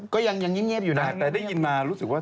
ก็ยังยังเงียบอยู่นะแต่ได้ยินมารู้สึกว่า